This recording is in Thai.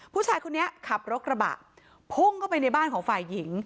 ผู้ชายคนนี้ขับรถกระบะพุ่งเข้าไปในบ้านของฝ่ายหญิง